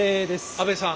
阿部さん。